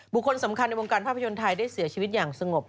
คนสำคัญในวงการภาพยนตร์ไทยได้เสียชีวิตอย่างสงบ